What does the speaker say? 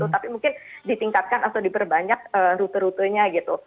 tapi mungkin ditingkatkan atau diperbanyak rute rutenya gitu